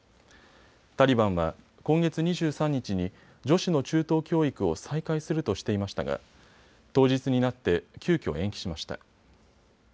タリバンは今月２３日に女子の中等教育を再開するとしていましたが当日になって急きょ延期しました。